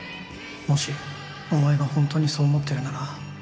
もしお前がホントにそう思ってるなら